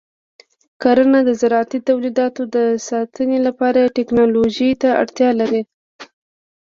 کرنه د زراعتي تولیداتو د ساتنې لپاره ټیکنالوژۍ ته اړتیا لري.